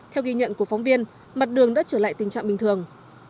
theo ghi nhận của phóng viên mặt đường đã trở lại tình trạng bình thường